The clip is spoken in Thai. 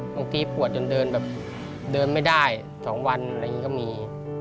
ปวดจนเดินแบบเดินไม่ได้๒วันอะไรอย่างนี้ก็มี